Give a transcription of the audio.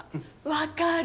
分かる！